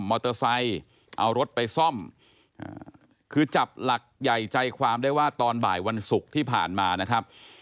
มอเตอร์ไซค์เอารถไปซ่อมคือจับหลักใหญ่ใจความได้ว่าตอนบ่ายวันศุกร์ที่ผ่านมานะครับ